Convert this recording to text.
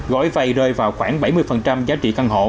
gói vay rơi vào khoảng bảy mươi giá trị căn hộ